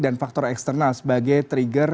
dan faktor eksternal sebagai trigger